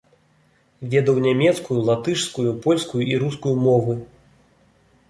Ведаў нямецкую, латышскую, польскую і рускую мовы.